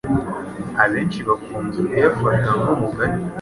abenshi bakunze kuyafata nk’umugani